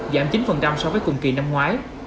giảm chín so với cùng kỳ năm ngoái